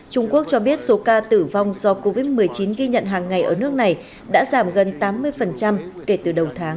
trung quốc cho biết số ca tử vong do covid một mươi chín ghi nhận hàng ngày ở nước này đã giảm gần tám mươi kể từ đầu tháng